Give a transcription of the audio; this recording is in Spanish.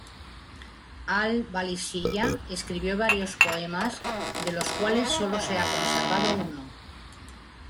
Al-Ballisiyya escribió varios poemas de los cuales solo se ha conservado uno.